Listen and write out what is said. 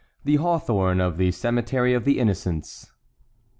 THE HAWTHORN OF THE CEMETERY OF THE INNOCENTS.